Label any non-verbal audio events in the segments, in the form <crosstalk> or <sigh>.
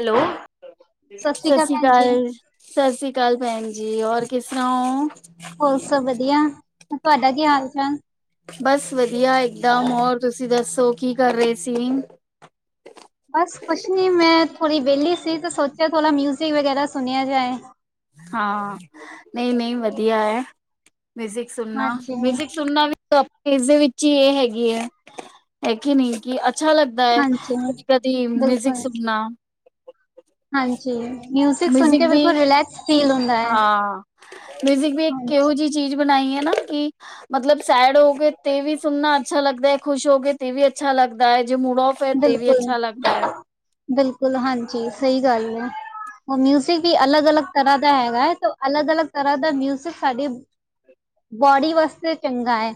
Hello ਸਤਿ ਸ੍ਰੀ ਅਕਾਲ ਸਾਸੀ ਭੈਣ ਜੀ, ਕਾਲ। ਸਾਸੀ ਕਾਲ ਭੈਣ ਜੀ ਹੋਰ ਕਿਸ ਤਰਾਂ ਓ? ਬ ਸ ਵਦੀਆ ਤੁਆਡਾ ਕੀ ਹਾਲ ਚਾਲ? ਬਸ ਵਦੀਆ ਇਕਦਮ ਹੋਰ ਤੁਸੀਂ ਦੱਸੋ ਕੀ ਕਰ ਰੇ ਸੀ? ਬਸ ਕੁਛ ਨੀ ਮੈਂ ਥੋੜ੍ਹੀ ਵੇਲੀ ਸੀ ਤੇ ਸੋਚਿਆ ਥੋੜ੍ਹਾ ਮਿਊਜਿਕ ਵਗੈਰਾ ਸੁਣਿਆ ਜਾਏ। ਹਾਂ ਨਈ-ਨਈ ਵਦੀਆ ਐ ਮਿਜ਼ਿਕ ਸੁਨਨਾ ਹਾਂਜੀ, ਮਿਜ਼ਿਕ ਸੁਣਨਾ ਵੀ ਤੇ ਆਪ ਇਸਦੇ ਵਿੱਚ ਈ ਐ ਹੈਗੀ ਐ ਹੈ ਕੇ ਨੀ ਕਿ ਅੱਛਾ ਲੱਗ ਦਾ ਐ ਹਾਂਜੀ ਕਦੀ ਮਿਊਜ਼ਿਕ ਬਿਲਕੁਲ ਸੁਣਨਾ। ਹਾਂਜੀ ਮਿਉਜ਼ਿਕ ਸੁਣ ਮਿਊਜ਼ਿਕ ਕੇ ਵੀ ਬਿਲਕੁਲ ਰਿਲੈਕਸ ਫੀਲ ਹੁੰ ਹਾਂ, ਮਿਊਜ਼ਿਕ ਵੀ ਇੱਕ ਕਿਹੋ ਜੀ ਚੀਜ਼ ਬਣਾਈ ਐਨਾ ਕਿ ਮਤਲਬ ਸੈਡ ਹੋ ਗਏ ਤੇ ਵੀ ਸੁਣਨਾ ਅੱਛਾ ਲੱਗਦਾ ਖੁਸ਼ ਹੋ ਗਏ ਤੇ ਵੀ ਅੱਛਾ ਲੱਗਦਾ ਐ ਜੇ ਮੁੂਡ ਓਫ ਤੇ ਵੀ ਬਿਲਕੁਲ, ਅੱਛਾ ਲੱਗਦਾ ਐ। ਬਿਲਕੁਲ ਹਾਂਜੀ ਸਈ ਗੱਲ ਏ। ਓ ਮਿਊਜਿਕ ਵੀ ਅਲੱਗ-ਅਲੱਗ ਤਰ੍ਹਾਂ ਦਾ ਹੈਗਾ ਹੈ ਤੇ ਅਲੱਗ- ਅਲੱਗ ਤਰ੍ਹਾਂ ਦਾ ਮਿਊਜਿਕ ਸਾਡੇ ਬੋਡੀ ਵਾਸਤੇ ਚੰਗਾ ਐ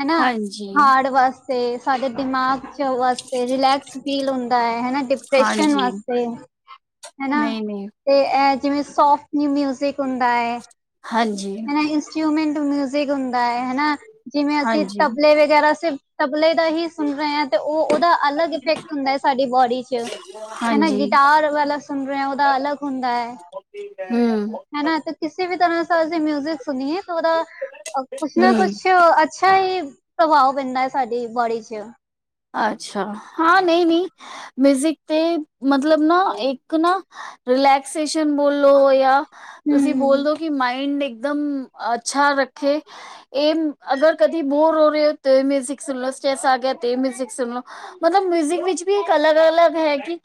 ਹੈਨਾ ਹਾਂਜੀ ਹਾਰਡ ਵਾਸਤੇ ਸਾਡੇ ਦਿਮਾਗ ਆਸਤੇ ਰਿਲੈਕਸ ਫੀਲ ਹੁੰਦਾ ਐ ਹੈਨਾ ਡਿਪ੍ਰੈਸ਼ਨ ਹਾਂਜੀ ਵਾਸਤੇ ਹੈਨਾ। ਨਹੀਂ ਨਹੀਂ ਤੇ ਐ ਜਿਵੇਂ ਸੋਫਟ ਨਿ ਮਿਊਜ਼ਿਕ ਹੁੰਦਾ ਐ। ਹਾਂਜੀ। ਇੰਸਟਰੂਮੈਂਟ ਮਿਊਜਿਕ ਹੁੰਦਾ ਐ ਹੈਨਾ ਜਿਵੇਂ ਅਸੀਂ ਹਾਂਜੀ ਤਬਲੇ ਵਗੈਰਾ ਸੇ ਤਬਲੇ ਦਾ ਈ ਸੁਨ ਰੇ ਆ ਤੇ ਓ ਓਦਾ ਅਲੱਗ ਇਫੈਕਟ ਹੁੰਦਾ ਐ ਸਾਡੀ ਬੋਡੀ ਚ। ਹੈਨਾ ਹਾਂਜੀ ਗਿਟਾਰ ਵਾਲਾ ਸੁਨ ਰੇ ਆ ਓਦਾ ਅਲੱਗ ਹੁੰਦਾ ਐ। ਹੂੰ। ਹੈ ਨਾ ਤੇ ਕਿਸੀ ਵੀ ਤਰ੍ਹਾਂ ਸਾ ਮਿਊਜਿਕ ਸੁਣੀਏ ਤਾਂ ਓਦਾ ਕੁਛ ਨਾ ਹਮ ਕੁਛ ਅ ਛਾ ਈ ਪ੍ਰਭਾਵ ਪੈਂਦਾ ਐ ਸਾਡੀ ਬੋਡੀ ਚ। ਅੱਛਾ, ਹਾਂ ਨਈ-ਨਈ। ਮਿਊਜ਼ਿਕ ਤੇ ਮਤਲਬ ਨਾ ਇੱਕ ਨਾ ਰਿਲੈਕਸੇਸ਼ਨ ਬੋਲੋ ਯਾ ਤੁਸੀਂ ਹੂੰ, ਬੋਲਦੋ ਕਿ ਮਾਇੰਡ ਇੱਕਦਮ ਅੱਛਾ ਰੱਖੇ। ਏ ਅਗਰ ਕਦੇ ਬੋਰ ਹੋ ਰੇ ਓ ਤੇ ਏ ਮਿਊਜ਼ਿਕ ਸੁਣ ਲਓ ਸਟ੍ਰੈਸ ਆ ਗਿਆ ਤੇ ਏ ਮਿਊਜ਼ਿਕ ਸੁਣ ਲਓ। ਮਤਲਬ ਮਿਊਜਿਕ ਵਿੱਚ ਵੀ ਇੱਕ ਅਲੱਗ-ਅਲੱਗ ਹੈ ਕਿ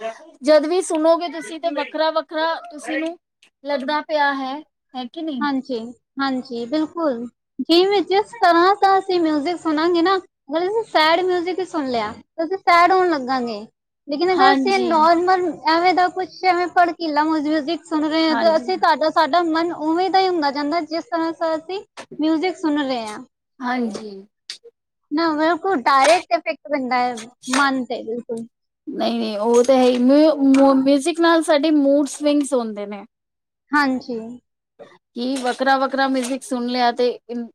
ਜਦ ਵੀ ਸੁਣੋਗੇ ਤੁਸੀਂ ਤੇ ਵੱਖਰਾ-ਵੱਖਰਾ ਤੁਸੀਂ ਨੂੰ ਲੱਗਦਾ ਪਿਆ ਹੈ। ਹੈ ਕਿ ਨਹੀਂ ਹਾਂਜੀ, ਹਾਂਜੀ, ਬਿਲਕੁਲ। ਜਿਵੇਂ ਜਿਸ ਤਰ੍ਹਾਂ ਦਾ ਅਸੀਂ ਮਿਊਜਿਕ ਸੁਣਾਂਗੇ ਨਾ ਅਗਰ ਅਸੀ ਸੈਡ ਮਿਊਜਿਕ ਈ ਸੁਨ ਲਿਆ ਤੇ ਅਸੀ ਸੈਡ ਹੋਨ ਲੱਗਾਂਗੇ ਲੇਕਿਨ ਅਗਰ ਅਸੀਂ ਹਾਂਜੀ ਨੋਰਮਲ ਐਵੇਂ ਦਾ ਕੁਛ ਐਵੇਂ ਭੜਕੀਲਾ ਮਿਉਜ਼ਿਕ ਸੁਣ ਰੇ ਆ ਤੇ ਹਾਂਜੀ, ਅਸੀਂ ਤੁਆਡਾ ਸਾਡਾ ਮਨ ਓਵੇਂ ਦਾ ਈ ਹੁੰਦਾ ਜਾਂਦਾ ਜਿਸ ਤਰ੍ਹਾਂ ਸਾ ਅਸੀਂ ਮਿਊਜਿਕ ਸੁਨ ਰੇ ਆ। ਹਾਂਜੀ। ਨਾ ਬਿਲਕੁਲ ਡਾਇਰੇਕਟ ਇਫੈਕਟ ਬਨਦਾ ਐ ਮਨ ਤੇ ਬਿਲਕੁਲ। ਨਈ-ਨਈ ਓ ਤਾਂ ਹੈ ਈ ਮ ਮਿਊਜਿਕ ਨਾਲ ਸਾਡੇ ਮੂਡ ਸਵਿੰਗਸ ਹੁੰਦੇ ਨੇ। ਹਾਂਜੀ। ਕਿ ਵੱਖਰਾ-ਵੱਖਰਾ ਮਿਊਜਿਕ ਸੁਣ ਲਿਆ ਤੇ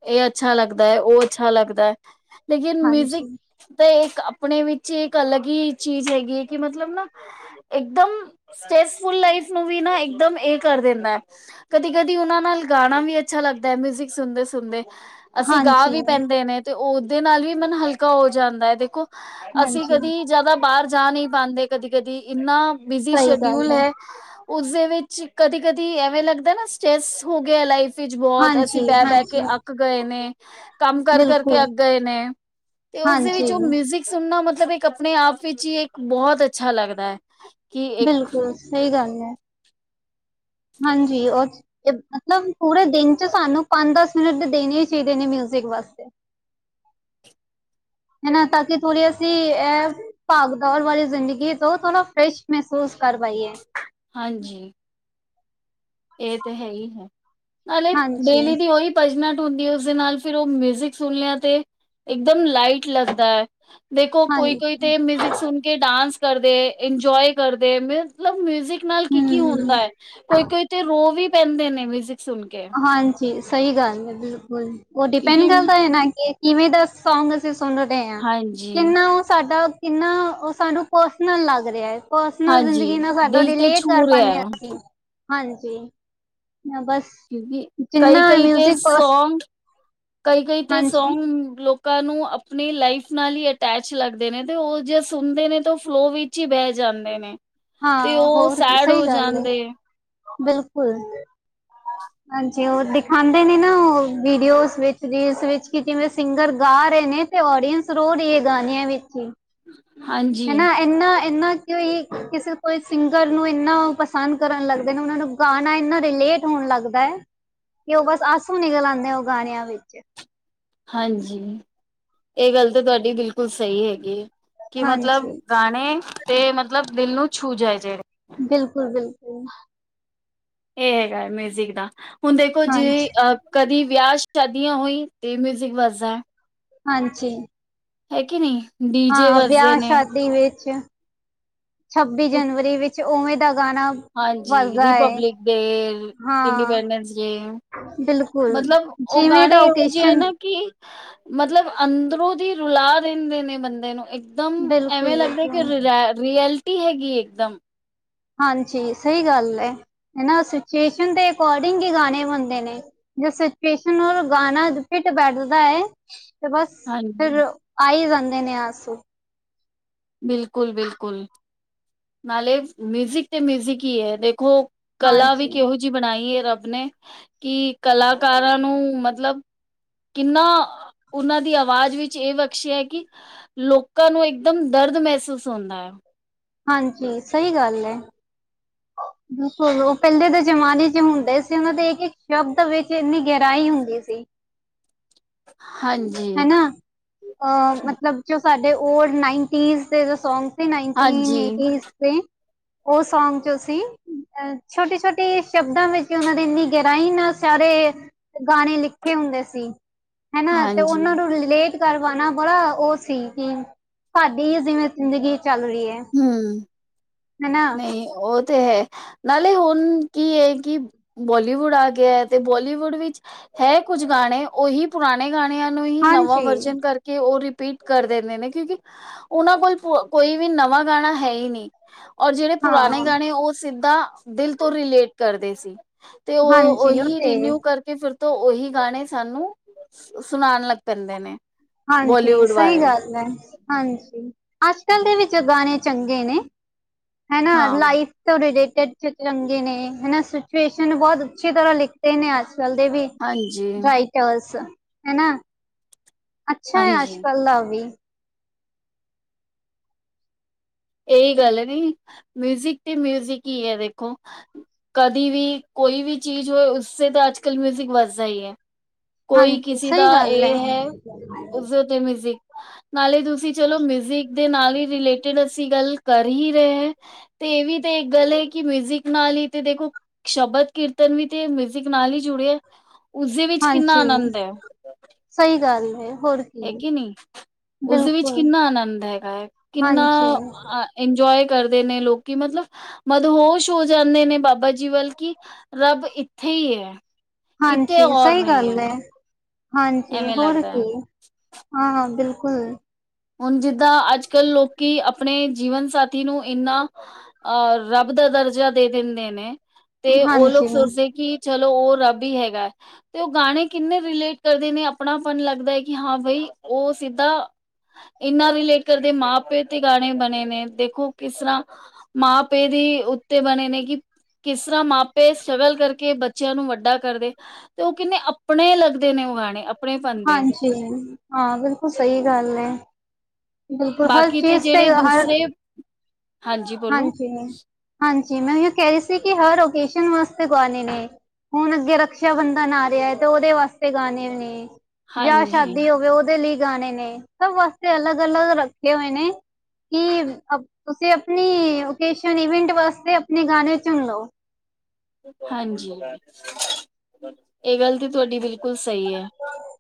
ਏ ਅੱਛਾ ਲੱਗਦਾ ਐ ਓ ਅੱਛਾ ਲੱਗਦਾ ਐ। ਲੇਕਿਨ ਮਿਊਜ਼ਿਕ ਹਾਂਜੀ, ਤੇ ਇੱਕ ਆਪਣੇ ਵਿੱਚ ਇੱਕ ਅਲੱਗ ਹੀ ਚੀਜ਼ ਹੈਗੀ ਐਂ ਕਿ ਮਤਲਬ ਨਾ ਇੱਕਦਮ ਸਟ੍ਰੈਸਫੁਲ ਲਾਈਫ ਨੂੰ ਵੀ ਨਾ ਇੱਕਦਮ ਏ ਕਰ ਦਿੰਦਾ ਐ। ਕਦੀ-ਕਦੀ ਉਹਨਾਂ ਨਾਲ ਗਾਣਾ ਵੀ ਅੱਛਾ ਲੱਗਦਾ ਹੈ ਮਿਊਜਿਕ ਸੁਣਦੇ-ਸੁਣਦੇ ਅਸੀਂ ਗਾ ਹਾਂਜੀ, ਵੀ ਪੈਂਦੇ ਨੇ। ਤੇ ਉਹਦੇ ਨਾਲ ਵੀ ਮਨ ਹਲਕਾ ਹੋ ਜਾਂਦਾ ਏ ਦੇਖੋ ਅਸੀਂ ਹਾਂਜੀ। ਕਦੀ ਜਾਦਾ ਬਾਰ ਜਾ ਨਹੀਂ ਪਾਂਦੇ ਕਦੀ-ਕਦੀ ਇੰਨਾ ਬਿਜੀ ਸਹੀ ਗੱਲ ਸ਼ਡਿਊਲ ਹੈ। ਉਸਦੇ ਵਿੱਚ ਕਦੀ-ਕਦੀ ਐਵੇਂ ਲੱਗਦਾ ਨਾ ਸਟਰ੍ਰੈਸ ਹੋ ਗਿਆ ਲਾਈਫ ਵਿਚ ਬੋਤ ਅਸੀਂ ਬਹਿ-ਬਹਿ ਕੇ ਹਾਂਜੀ-ਹਾਂਜੀ ਅੱਕ ਗਏ ਨੇ ਕੰਮ ਕਰ ਕਰਕੇ ਬਿਲਕੁਲ। ਅੱਕ ਗਏ ਨੇ ਤੇ ਉਸਦੇ ਹਾਂਜੀ, ਵਿੱਚ ਓ ਮਿਊਜਿਕ ਸੁਣਨਾ ਮਤਲਬ ਇੱਕ ਆਪਣੇ ਆਪ ਵਿੱਚ ਹੀ ਇੱਕ ਬੋਤ ਅੱਛਾ ਲੱਗਦਾ। ਕਿ ਇੱਕ ਬਿਲਕੁਲ ਸਹੀ ਗੱਲ ਹੈ। ਹਾਂਜੀ ਓ ਮਤਲਬ ਪੂਰੇ ਦਿਨ 'ਚ ਸਾਨੂੰ ਪੰਜ ਦਸ ਮਿੰਟ ਦੇ ਦੇਣੇ ਹੀ ਚਾਹੀਦੇ ਨੇ ਮਿਊਜਿਕ ਵਾਸਤੇ <inaudible> ਇਨਾ ਤਰਕੇ ਥੋੜੀ ਅਸੀਂ ਐਪ ਭਗ ਦੌੜ ਵਾਲੀ ਜ਼ਿੰਦਗੀ ਤੋਂ ਥੋੜਾ ਫਰੈਸ਼ ਮਹਿਸੂਸ ਕਰ ਪਾਈਏ। ਹਾਂਜੀ ਇਹ ਤੇ ਹੈ ਹੀ ਹੈ ਨਾਲੇ ਡੇਲੀ ਹਾਂਜੀ। ਦੀ ਉਹੀ ਭਜਨਠ ਹੁੰਦੀ ਹੈ ਉਸਦੇ ਨਾਲ ਫਿਰ ਓ ਮਿਊਜ਼ਿਕ ਸੁਣ ਲਿਆ ਤੇ ਇੱਕਦਮ ਲਾਈਟ ਲੱਗਦਾ। ਦੇਖੋ ਹਾਂਜੀ, ਕੋਈ-ਕੋਈ ਤੇ ਮਿਊਜ਼ਿਕ ਸੁਣ ਕੇ ਡਾਂਸ ਕਰਦੇ ਇੰਜੋਏ ਕਰਦੇ ਮਤਲਬ ਮਿਊਜਿਕ ਨਾਲ ਕੀ-ਕੀ ਹੁੰਦਾ ਹੂੰ-ਹੂੰ। ਹੈ ਕੋਈ-ਕੋਈ ਤੇ ਰੋ ਵੀ ਪੈਂਦੇ ਨੇ ਮਿਊਜਿਕ ਸੁਣ ਕੇ ਹਾਂਜੀ ਸਹੀ ਗੱਲ ਹੈ ਬਿਲਕੁਲ ਉਹ ਡਿਪੈਂਡ ਕਿਉਂਕਿ ਕਰਦਾ ਹੈ ਨਾ ਕਿ ਕਿਵੇਂ ਦੱਸ ਸੌਂਗ ਅਸੀਂ ਸੁਣ ਰਹੇ ਹਾਂ ਹਾਂਜੀ ਕਿੰਨਾ ਉਹ ਸਾਡਾ ਕਿੰਨਾ ਓ ਸਾਨੂੰ ਪਰਸਨਲ ਲੱਗ ਰਿਆ ਏ। ਪਰਸਨਲ ਹਾਂਜੀ ਜ਼ਿੰਦਗੀ ਨਾਲ ਸਾਡਾ ਦਿਲ ਤੇ ਰਿਲੇਟ ਕਰ ਛੂ ਰਿਹਾ ਪਾਣੇ ਆ ਹੈ ਅਸੀਂ ਹਾਂਜੀ ਨ ਬਸ ਕਿਉਂਕਿ ਜਿੰਨਾ ਕਈ-ਕਈ ਤੇ ਮਿਊਜ਼ਿਕ ਪਰਸ ਸੌਂਗ ਕਈ-ਕਈ ਤੇ ਹਾਂਜੀ ਸੌਂਗ ਲੋਕ ਲੋਕਾਂ ਨੂੰ ਆਪਣੀ ਲਾਈਫ ਨਾਲ ਹੀ ਅਟੈਚ ਲੱਗਦੇ ਨੇ ਤੇ ਓ ਜੇ ਸੁਣਦੇ ਨੇ ਤਾਂ ਉਹ ਫਲੋ ਵੀ ਚੀ ਬਹਿ ਜਾਂਦੇ ਨੇ ਤੇ ਹਾਂ ਉਹ ਹੋਰ ਸੈਡ ਸਹੀ ਹੋ ਗੱਲ ਹੈ ਜਾਂਦੇ। ਬਿਲਕੁਲ <inaudible> ਹਾਂਜੀ ਉਹ ਦਿਖਾਂਦੇ ਨੇ ਨਾ ਉਹ ਵੀਡੀਓਜ਼ ਵਿੱਚ ਰੀਲਸ ਵਿੱਚ ਕਿ ਜਿਵੇਂ ਸਿੰਗਰ ਗਾ ਰਏ ਨੇ। ਤੇ ਓਡੀਅੰਸ ਰੋ ਰਈ ਏ ਗਾਣਿਆਂ ਵਿੱਚ ਹੀ ਹਾਂਜੀ, ਹਨਾ ਇੰਨਾ-ਇੰਨਾ ਕਿਈ ਕਿਸੇ ਕੋਈ ਸਿੰਗਰ ਨੂੰ ਇੰਨਾ ਪਸੰਦ ਕਰਨ ਲੱਗਦੇ ਨੇ ਉਹਨਾ ਨੂੰ ਗਾਣਾ ਇੰਨਾ ਰਿਲੇਟ ਹੋਣ ਲੱਗਦਾ। ਕਿ ਓ ਬਸ ਆਸੂ ਨਿਕਲ ਆਂਦੇ ਓ ਗਾਣਿਆਂ ਵਿੱਚ ਹਾਂਜੀ ਇਹ ਗੱਲ ਤਾਂ ਤੁਹਾਡੀ ਬਿਲਕੁਲ ਸਹੀ ਹੈਗੀ ਕਿ ਹਾਂਜੀ ਮਤਲਬ ਗਾਣੇ ਤੇ ਮਤਲਬ ਦਿਲ ਨੂੰ ਛੂ ਜਏ ਜਿਹੜੇ ਬਿਲਕੁਲ-ਬਿਲਕੁਲ ਇਹ ਹੈਗਾ ਮਿਊਜ਼ਿਕ ਦਾ ਹੁਣ ਦੇਖੋ ਜੀ ਹਾਂਜੀ ਅਹ ਕਦੀ ਵਿਆਹ ਸ਼ਾਦੀਆਂ ਹੋਈ ਤੇ ਮਿਊਜਿਕ ਵੱਜਦਾ। ਹਾਂਜੀ ਹੈ ਕਿ ਨਹੀਂ ਡੀ ਜੇ ਵੱਜਦੇ ਨੇ। ਟੀਵੀ ਵਿੱਚ ਛੱਬੀ ਜਨਵਰੀ ਵਿੱਚ ਓਵੇਂ ਦਾ ਗਾਣਾ ਹਾਂਜੀ ਵੱਜਦਾ ਹੈ ਰਿਪਬਲਿਕ ਡੇ ਹਾਂ ਇੰਡੀਪੈਂਡੈਂਸ ਡੇ ਬਿਲਕੁਲ ਮਤਲਬ ਓ ਜਿਵੇਂ ਦਾ ਗਾਣੇ ਇਹੋ ਜਿ ਹੈ ਓਕੇਸ਼ਨ ਨਾ ਕਿ ਮਤਲਬ ਅੰਦਰੋਂ ਦੀ ਰੁਲਾ ਦਿੰਦੇ ਨੇ ਬੰਦੇ ਨੂੰ ਇਕ ਇਕਦਮ ਐਵੇਂ ਬਿਲਕੁਲ ਲੱਗਦਾ ਕਿ ਬਿਲਕੁਲ ਰਐ ਰਐਲਟੀ ਹੈਗੀ ਇਕਦਮ ਹਾਂਜੀ ਸਹੀ ਗੱਲ ਹੈ ਹਨਾ ਸਿਚੁਏਸ਼ਨ ਦੇ ਅਕੋਡਿੰਗ ਹੀ ਗਾਣੇ ਬਣਦੇ ਨੇ। ਜੋ ਸਿਚੁਏਸ਼ਨ ਉਹ ਗਾਣਾ ਫਿਟ ਬੈਠਦਾ ਐ। ਤੇ ਬਸ, ਹਾਂਜੀ ਫਿਰ ਆਈ ਜਾਂਦੇ ਨੇ ਆਸੂ। ਬਿਲਕੁਲ, ਬਿਲਕੁਲ ਨਾਲੇ ਮਿਊਜਿਕ ਤੇ ਮਿਊਜਿਕ ਹੀ ਹੈ ਦੇਖੋ। ਕਲਾ ਵੀ ਹਾਂਜੀ ਕਿਹੋ ਜਿਹੀ ਬਣਾਈ ਹੈ ਰੱਬ ਨੇ, ਕਿ ਕਲਾਕਾਰਾਂ ਨੂੰ ਮਤਲਬ। ਕਿੰਨਾ, ਉਹਨਾਂ ਦੀ ਆਵਾਜ਼ ਵਿੱਚ ਇਹ ਬਖਸ਼ਿਆ ਏ ਕਿ ਲੋਕਾਂ ਨੂੰ ਇੱਕਦਮ। ਬਾਹਰ <unintelligible> ਦਾ ਮੈਸੇਜ ਸੁਣਨੇ। ਹਾਂਜੀ, ਸਹੀ ਗੱਲ ਐ। ਬਿਲਕੁਲ, ਉਹ ਪਹਿਲੇ ਦੇ ਜਮਾਨੇ ਚ ਹੁੰਦੇ ਸੀ ਉਹਨਾਂ ਦੇ ਇੱਕ ਇੱਕ ਸ਼ਬਦ ਵਿੱਚ ਇੰਨੀ ਗਹਿਰਾਈ ਹੁੰਦੀ ਸੀ। ਹਾਂਜੀ। ਹਨਾ, ਅ ਮਤਲਬ ਜੋ ਸਾਡੇ ਓਲਡ ਨਾਈਨਟੀਜ਼ ਦੇ ਜੋ ਸੌਂਗ। ਨਾਇੰਟਿੰਨ ਹਾਂਜੀ ਏਟੀਜ਼ ਦੇ, ਉਹ ਸੌਗ ਚ ਅਸੀ। ਅ ਛੋਟੇ-ਛੋਟੇ ਸ਼ਬਦਾਂ ਵਿੱਚ ਉਹਨਾਂ ਦੀ, ਇੰਨੀ ਗਹਿਰਾਈ ਨਾਲ ਸਾਰੇ। ਗਾਣੇ ਲਿਖੇ ਹੁੰਦੇ ਸੀ, ਹੈਨਾ। ਹਾਂਜੀ ਲੇਟ ਕਰ ਪਾਉਣਾ ਬੜਾ ਉਹ ਸੀ ਕਿ, ਸਾਹਡੀ ਜਿਵੇਂ ਜ਼ਿੰਦਗੀ ਚੱਲ ਰਹੀ ਹੈ। ਹਮ। ਮੈਂ ਨਾ ਉਹ ਤੇ ਹੈ। ਨਾਲੇ ਹੁਣ ਕੀ ਏ ਕਿ ਬੋਲੀਵੁੱਡ ਆ ਗਿਆ ਹੈ, ਤੇ ਬੋਲੀਵੁੱਡ ਵਿੱਚ। ਹੈ ਕੁੱਝ ਗਾਣੇ, ਉਹੀ ਪੁਰਾਣੇ ਗਾਣਿਆਂ ਨੂੰ ਹੀ ਨਵਾਂ ਹਾਂਜੀ ਵਰਜਨ ਕਰ। ਕਿ ਉਹ ਰਿਪੀਟ ਕਰ ਦਿੰਦੇ ਨੇ ਕਿਉਂਕਿ ਉਹਨਾਂ ਕੋਲ ਕੋਈ ਵੀ ਨਵਾਂ ਗਾਣਾ ਹੈ ਹੀ ਨਹੀਂ। ਔਰ ਜਿਹੜੇ ਹਾਂ ਪੁਰਾਣੇ ਗਾਣੇ, ਉਹ ਸਿੱਧਾ, ਦਿਲ ਤੋਂ ਰਿਲੇਟ ਕਰਦੇ ਸੀ। ਤੇ ਉਹ ਹਾਂਜੀ ਉਹੀ ਤੇ ਰਿਨਿਊ ਕਰ। ਕਿ ਫਿਰ ਤੋਂ ਉਹੀ ਗਾਣੇ, ਸਾਨੂੰ ਸੁਣਾਉਣ ਲੱਗ ਪੈਂਦੇ ਨੇ। ਹਾਂਜੀ, ਬੋਲੀਵੁੱਡ ਸਹੀ ਬਾਰੇ ਗੱਲ ਹੈ। ਹਾਂਜੀ, ਅੱਜ ਕੱਲ ਦੇ ਵਿੱਚ ਗਾਣੇ ਚੰਗੇ ਨੇ, ਹੈਨਾ ਹਾਂ ਲਾਈਵ। <unintelligible> ਚੰਗੇ ਨੇ ਹੈਨਾ, ਸਿਚੁਏਸ਼ਨ ਬਹੁਤ ਅੱਛੀ ਤਰ੍ਹਾਂ ਲਿਖਤੇ ਨੇ ਅੱਜ ਕੱਲ ਦੇ ਵੀ। ਹਾਂਜੀ। <unintelligible> ਹੈਨਾ, ਅੱਛਾ ਹੈ ਅੱਜ ਹਾਂਜੀ ਕੱਲ ਦਾ ਵੀ। ਇਹੀ ਗੱਲ ਏ ਬਈ, ਮਿਊਜ਼ਿਕ ਤੇ ਮਿਊਜ਼ਿਕ ਹੀ ਹੈ ਦੇਖੋ। ਕਦੀ ਵੀ, ਕੋਈ ਵੀ ਚੀਜ਼ ਹੋਏ, ਉਸਸੇ ਤਾਂ ਅੱਜ ਕੱਲ੍ਹ ਮਿਊਜ਼ਿਕ ਵੱਜਦਾ ਹੀ ਐ। ਕੋਈ ਹਾਂਜੀ ਕਿਸੇ ਦਾ ਸਹੀ ਗੱਲ ਇਹ ਹੈ, ਉਸ <unintelligible> ਮਿਊਜਿਕ, ਨਾਲੇ ਤੁਸੀਂ ਚਲੋ ਮਿਊਜ਼ਿਕ ਦੇ ਨਾਲ ਈ ਰਿਲੇਟਿਡ। ਅਸੀ ਗੱਲ ਕਰ ਹੀ ਰਹੇ ਹੈ ਤੇ ਇਹ ਵੀ ਤੇ ਇੱਕ ਗੱਲ ਹੈ ਕਿ ਮਿਊਜਿਕ ਨਾਲ ਹੀ, ਤੇ ਦੇਖੋ। ਸ਼ਬਦ ਕੀਰਤਨ ਵੀ ਤੇ ਮਿਊਜ਼ਿਕ ਨਾਲ ਹੀ ਜੁੜਿਐ। ਹਾਂਜੀ, ਸਹੀ ਗੱਲ ਹੈ, ਹੋਰ। ਹੈ ਕੀ ਕੇ ਨਹੀ, ਉਸਦੇ ਵਿੱਚ ਬਿਲਕੁਲ ਕਿੰਨਾ ਆਨੰਦ ਹੈਗਾ ਹੈ, ਕਿੰਨਾ ਹਾਂਜੀ ਅ। ਇੰਜੋਏ ਕਰਦੇ ਨੇ ਲੋਕੀ, ਮਤਲਬ, ਮਦਹੋਸ਼ ਹੋ ਜਾਂਦੇ ਨੇ ਬਾਬਾ ਜੀ ਵੱਲ ਕਿ। ਰੱਬ, ਇੱਥੇ ਹੀ ਹੈ। ਕਿਤੇ ਹਾਂਜੀ, ਔਰ ਸਹੀ ਨਹੀਂ ਹੈ ਗੱਲ ਐ। ਹਾਂਜੀ, ਐਵੇਂ ਹੋਰ ਲੱਗਦਾ ਕੀ, ਹੈ ਹਾਂ ਬਿਲਕੁਲ। ਹੁਣ ਜਿੱਦਾਂ, ਅੱਜ ਕੱਲ੍ਹ ਲੋਕੀ ਆਪਣੇ ਜੀਵਨ ਸਾਥੀ ਨੂੰ ਇੰਨਾ। ਅਹ ਰੱਬ ਦਾ ਦਰਜਾ ਦੇ ਦਿੰਦੇ ਨੇ ਤੇ ਉਹ ਲੋਕ ਹਾਂਜੀ ਸੋਚਦੇ ਕਿ। ਚਲੋ, ਉਹ ਰੱਬ ਹੀ ਹੈਗੈ। ਤੇ ਉਹ ਗਾਣੇ ਕਿੰਨੇ ਰਿਲੇਟ ਕਰਦੇ ਨੇ ਆਪਣਾਪਨ ਲੱਗਦਾ ਹੈ ਕਿ, ਹਾਂ ਬਈ ਉਹ ਸਿੱਧਾ। ਇਹਨਾਂ ਰਿਲੇਟ ਕਰਦੇ ਨੇ, ਮਾਂ ਪਿਓ ਤੇ ਗਾਣੇ ਬਣੇ ਨੇ, ਦੇਖੋ ਕਿਸ ਤਰ੍ਹਾਂ। ਮਾਂ ਪੇ ਦੀ ਉੱਤੇ ਬਣੇ ਨੇ ਕਿ ਕਿਸ ਤਰ੍ਹਾਂ ਮਾਪੇ ਸਟਰਗਲ ਕਰਕੇ ਬੱਚਿਆਂ ਨੂੰ ਵੱਡਾ ਕਰਦੇ। ਤੇ ਉਹ ਕਿਹਨੇ ਆਪਣੇ ਲੱਗਦੇ ਨੇ ਉਹ ਗਾਣੇ ਆਪਣੇ ਪਨ ਦੇ ਤੇ ਹੁਣ ਹਾਂ ਬਿਲਕੁਲ ਸਹੀ ਗੱਲ ਹੈ। ਬਿਲਕੁਲ, ਹਰ ਬਾਕੀ ਚੀਜ਼ ਤੇ ਜਿਹੜੇ ਹਰ ਦੂਸਰੇ ਹਾਂਜੀ। ਹਾਂਜੀ ਮੈਂ ਇਹ ਕਹਿ ਰਹੀ ਸੀ ਕਿ ਹਰ ਉਕੇਸ਼ਨ ਵਾਸਤੇ ਗਾਣੇ ਨੇ ਹੁਣ ਅੱਗੇ ਰਕਸ਼ਾ ਬੰਧਨ ਆ ਰਿਹਾ ਹੈ ਤੇ ਉਹਦੇ ਵਾਸਤੇ ਗਾਣੇ ਵੀ ਨੇ। ਵਿਆਹ ਹਾਂਜੀ ਸ਼ਾਦੀ ਹੋ ਗਏ ਉਹਦੇ ਲਈ ਗਾਣੇ ਨੇ ਸਭ ਵਾਸਤੇ ਅਲੱਗ ਅਲੱਗ ਰੱਖੇ ਹੋਏ ਨੇ। ਕਿ ਤੁਸੀਂ ਆਪਣੀ ਓਕੇਸ਼ਨ ਇਵੈਂਟ ਵਾਸਤੇ ਆਪਣੇ ਗਾਣੇ ਚੁਣ ਲਓ। ਹਾਂਜੀ, ਇਹ ਗੱਲ ਵੀ ਤੁਹਾਡੀ ਬਿਲਕੁਲ ਸਹੀ ਹੈ।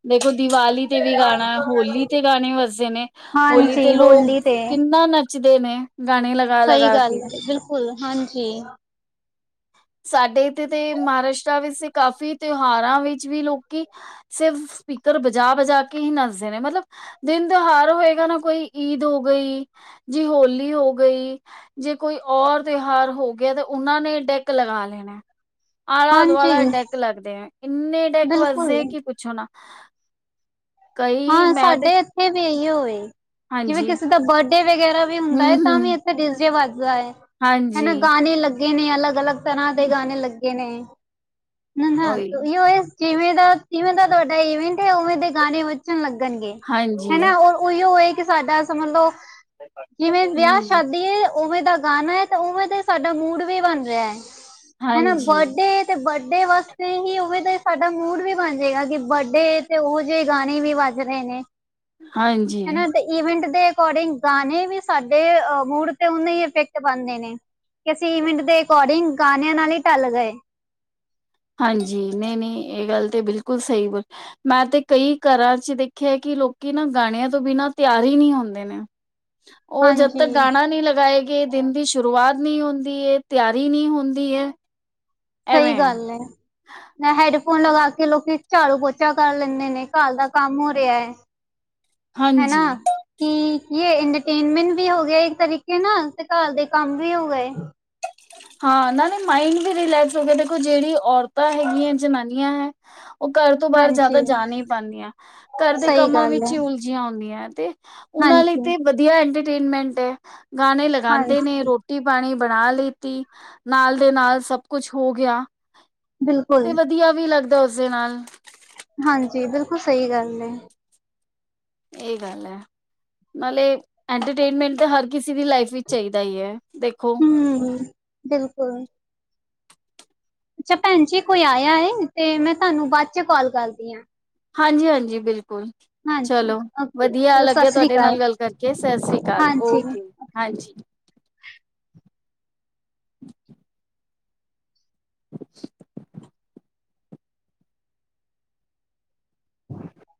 ਦੇਖੋ ਦੀਵਾਲੀ ਤੇ ਵੀ ਗਾਣਾ ਹੋਲੀ ਤੇ ਗਾਣੇ ਵਜਦੇ ਨੇ। ਹੋਲੀ ਤੇ ਹਾਂਜੀ ਹੋਲੀ ਲੋਕ ਤੇ ਕਿੰਨਾ ਨੱਚਦੇ ਨੇ ਗਾਣੇ ਲਗਾ ਸਹੀ ਲਗਾ ਗੱਲ ਕੇ। ਹੈ ਬਿਲਕੁਲ, ਹਾਂਜੀ। ਸਾਡੇ ਇੱਥੇ ਤੇ ਮਹਾਰਾਸ਼ਟਰ ਵਿੱਚ ਕਾਫੀ ਤਿਉਹਾਰਾਂ ਵਿੱਚ ਵੀ ਲੋਕੀ। ਸਿਰਫ ਸਪੀਕਰ ਬਜਾ ਬਜਾ ਕੇ ਹੀ ਨੱਚਦੇ ਨੇ ਮਤਲਬ ਦਿਨ ਤਿਉਹਾਰ ਹੋਏਗਾ ਨਾ ਕੋਈ ਈਦ ਹੋ ਗਈ। ਜੇ ਹੋਲੀ ਹੋ ਗਈ ਜੇ ਕੋਈ ਔਰ ਤਿਉਹਾਰ ਹੋ ਗਿਆ ਤੇ ਉਹਨਾ ਨੇ ਡੈਕ ਡੈਕ ਲਗਾ ਲੈਣਾ ਨੇ ਆਲਾ ਹਾਂਜੀ ਦੁਆਲਾ ਡੈਕ ਲੱਗਦੇ ਹੈ ਇੰਨੇ ਡੈਕ ਵਜਦੇ ਬਿਲਕੁਲ ਕਿ ਪੁੱਛੋ ਪੁੱਛੋ ਨਾ ਕਈ ਹਾਂ ਮੈਂ ਤੇ ਸਾਡੇ ਇੱਥੇ ਵੀ ਇਹੀਓ ਏ ਜਿਵੇਂ ਹਾਂਜੀ ਕਿਸੇ ਦਾ ਬਰਡੇ ਵਗੈਰਾ ਵੀ ਹੁੰਦਾ ਹੈ ਹੂੰ-ਹੂੰ ਤਾਂ ਵੀ ਇੱਥੇ ਡੀਜੇ ਵੱਜਦਾ ਹੈ ਹੈ ਹਾਂਜੀ। ਨਾ ਗਾਣੇ ਲੱਗੇ ਨੇ ਅਲੱਗ ਅਲੱਗ ਕਈ ਤਰ੍ਹਾਂ ਦੇ ਗਾਣੇ ਲੱਗੇ ਨੇ ਹਨਾ ਉਹੀ ਦੋ ਅਸ <unintelligible> ਜਿਵੇਂ ਦਾ ਜਿਵੇਂ ਦਾ ਤੁਹਾਡਾ ਇਵੈਂਟ ਹੈ ਉਵੇਂ ਦੇ ਗਾਣੇ ਵਜਣ ਲੱਗਣਗੇ ਹਾਂਜੀ ਹੈ ਨਾ ਉਹ ਉਹੀਓ ਏ ਕਿ ਸਾਡਾ ਸਮਝ ਲਓ ਜਿਵੇਂ ਵਿਆਹ ਹੂੰ ਸ਼ਾਦੀ ਏ ਉਵੇਂ ਦਾ ਗਾਣਾ ਹੈ ਤੇ ਉਵੇਂ ਦਾ ਸਾਡਾ ਮੂੜ ਵੀ ਬਣ ਰਿਹਾ ਹੈ ਹੈ ਨਾ ਹਾਂਜੀ-ਹਾਂਜੀ। ਬਰਥਡੇ। ਤੇ ਬਰਥਡੇ ਵਾਸਤੇ ਹੀ ਉਵੇ ਤਾਂ ਸਾਡਾ ਮੂੜ ਵੀ ਬਣ ਜਾਏਗਾ ਕਿ ਬਰਥਡੇ ਤੇ ਉਹ ਜਿਹੇ ਗਾਣੇ। ਨੀ ਵੀ ਵੱਜ ਰਹੇ ਨੇ। ਹਾਂਜੀ ਹਨਾ ਤੇ ਈਵੈਂਟ ਦੇ ਅਕੋਰਡਿੰਗ ਗਾਣੇ ਵੀ ਸਾਡੇ ਮੂਡ ਤੇ ਉਨੇ ਹੀ ਅਫੈਕਟ ਪਾਉਦੇ ਨੇ। ਕਿ ਅਸੀਂ ਈਵੈਂਟ ਦੇ ਅਕੋਰਡਿੰਗ ਗਾਣਿਆਂ ਨਾਲ ਹੀ ਢਲ ਗਏ। ਹਾਂਜੀ ਨਹੀਂ ਨਹੀਂ ਇਹ ਗੱਲ ਤੇ ਬਿਲਕੁਲ ਸਹੀ ਮੈਂ ਤੇ ਕਈ ਘਰਾਂ ਚ ਦੇਖਿਆ ਕਿ ਲੋਕੀ ਨਾ ਗਾਣਿਆਂ ਤੋਂ ਬਿਨਾਂ ਤਿਆਰ ਹੀ ਨਹੀਂ ਹੁੰਦੇ ਨੇ। ਉਹ ਜਦ ਹਾਂਜੀ ਤੱਕ ਗਾਣਾ ਨਹੀਂੀ ਲਗਾਏ ਗੀ ਦਿਨ ਦੀ ਸ਼ੁਰੂਆਤ ਨਹੀ ਹੁੰਦੀ ਹੈ ਤਿਆਰੀ ਨਹੀਂ ਹੁੰਦੀ ਹੈ। ਸਹੀ ਗੱਲ ਏ। ਨਾ ਹੈਡਫੋਨ ਲਗਾ ਕੇ ਲੋਕੀ ਝਾਾਰੂ ਪੋਚਾ ਕਰ ਲੈਂਦੇ ਨੇ ਘਰ ਦਾ ਕੰਮ ਹੋ ਰਿਹਾ ਏ। ਹੈਨਾ ਹਾਂਜੀ। ਕੀ ਕੀ ਇੰਟਰਟੇਨਮੈਂਟ ਵੀ ਹੋ ਗਿਆ ਇੱਕ ਤਰੀਕੇ ਨਾਲ ਤੇ ਘਰ ਦੇ ਕੰਮ ਵੀ ਹੋ ਗਏ। ਹਾਂ ਨਾਲੇ ਮਾਇੰਡ ਵੀ ਰਿਲੈਕਸ ਹੋ ਗਿਆ ਦੇਖੋ ਜਿਹੜੀ ਔਰਤਾਂ ਹੈਗੀਆਂ ਜਨਾਨੀਆਂ ਹੈ। ਉਹ ਘਰ ਤੋਂ ਬਾਹਰ ਜ਼ਿਆਦਾ ਹਾਂਜੀ ਜਾ ਹੀ ਪਾਉਂਦੀਆਂ ਨੇ ਘਰ ਦੇ ਸਹੀ ਕੰਮਾਂ ਗੱਲ ਵਿੱਚ ਹੈ ਹੀ ਜਿਆਦਾ ਉਲਜ ਉਲਝੀਆਂ ਹੁੰਦੀਆਂ ਤੇ ਉਹਨਾ ਲਈ ਹਾਂਜੀ ਤੇ ਵਧੀਆ ਇੰਟਰਟੇਨਮੈਂਟ ਏ। ਗਾਣੇ ਲਗਾਉਂਦੇ ਨੇ ਹਾਂਜੀ ਰੋਟੀ ਪਾਣੀ ਬਣਾ ਲਈ ਨਾਲ ਦੇ ਨਾਲ ਸਭ ਕੁਛ ਹੋ ਗਿਆ। ਬਿਲਕੁਲ ਤੇ ਵਧੀਆ ਵੀ ਲੱਗਦਾ ਉਸਦੇ ਨਾਲ ਹਾਂਜੀ ਬਿਲਕੁਲ ਸਹੀ ਗੱਲ ਏ। ਇਹ ਗੱਲ ਐ। ਨਾਲੇ ਐਂਟਰਟੇਨਮੈਂਟ ਤਾਂ ਹਰ ਕਿਸੇ ਦੀ ਲਾਈਫ ਵਿੱਚ ਚਾਹੀਦਾ ਹੀ ਹੈ ਦੇਖੋ। ਹੂੰ ਬਿਲਕੁਲ ਅੱਛਾ ਭੈਣ ਜੀ ਕੋਈ ਆਇਆ ਹੈ ਤੇ ਮੈਂ ਤੁਹਾਨੂੰ ਬਾਅਦ 'ਚ ਕਾਲ ਕਰਦੀ ਆਂ। ਹਾਂਜੀ-ਹਾਂਜੀ ਬਿਲਕੁਲ ਹਾਂਜੀ ਚਲੋ ਓਕੇ ਵਧੀਆ ਚਲੋ ਸਤਿ ਲੱਗਿਆ ਸ੍ਰੀ ਤੁਹਾਡੇ ਅਕਾਲ ਨਾਲ ਗੱਲ ਕਰਕੇ ਸਤਿ ਸ੍ਰੀ ਅਕਾਲ ਹਾਂਜੀ ਓਕੇ ਹਾਂਜੀ। <inaudible> <inaudible>